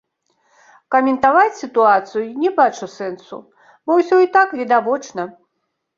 Каментаваць сітуацыю не бачу сэнсу, бо ўсё і так відавочна.